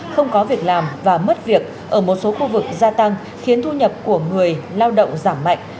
không có việc làm và mất việc ở một số khu vực gia tăng khiến thu nhập của người lao động giảm mạnh